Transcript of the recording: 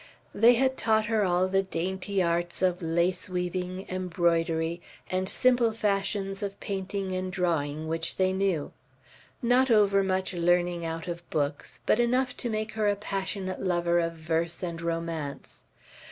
They had taught her all the dainty arts of lace weaving, embroidery, and simple fashions of painting and drawing, which they knew; not overmuch learning out of books, but enough to make her a passionate lover of verse and romance.